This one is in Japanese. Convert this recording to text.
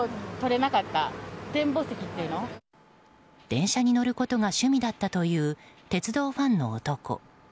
電車に乗ることが趣味だったという鉄道ファンの男。